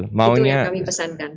itu yang kami pesankan